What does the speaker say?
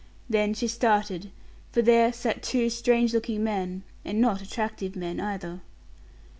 Then she started, for there sat two strange looking men and not attractive men either.